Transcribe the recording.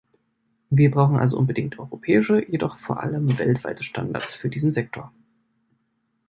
Wir brauchen also unbedingt europäische, jedoch vor allem weltweite Standards für diesen Sektor.